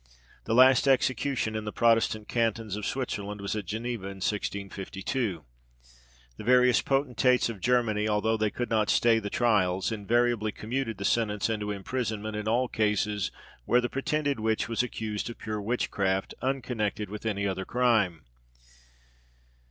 The last execution in the Protestant cantons of Switzerland was at Geneva, in 1652. The various potentates of Germany, although they could not stay the trials, invariably commuted the sentence into imprisonment, in all cases where the pretended witch was accused of pure witchcraft, unconnected with any other crime.